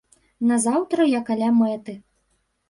Назаўтра я каля мэты.